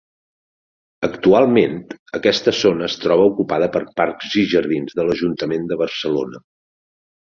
Actualment, aquesta zona es troba ocupada per Parcs i Jardins de l'ajuntament de Barcelona.